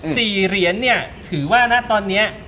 ๔เหรียญเนี่ยถือว่านะตอนเนี่ย